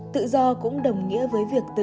tự do cũng đồng nghĩa với việc tự do